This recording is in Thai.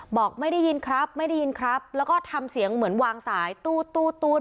บอกไม่ได้ยินครับไม่ได้ยินครับแล้วก็ทำเสียงเหมือนวางสายตู้ด